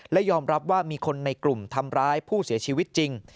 และยอมรับว่ามีคนในกลุ่มทำร้ายผู้เสียชีวิตจริง